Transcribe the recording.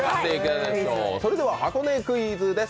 それでは箱根クイズです！